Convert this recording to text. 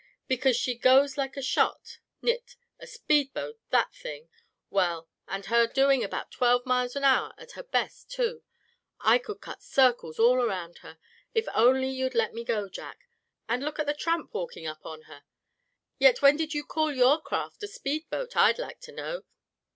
Because she goes like a shot nit. A speed boat, that thing? Well, and her doing about twelve miles an hour at her best too! I could cut circles all around her, if only you'd let me go, Jack. And look at the Tramp walking up on her; yet when did you call your craft a speed boat, I'd like to know?"